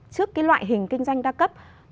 trước cái loại hình kinh doanh đa cấp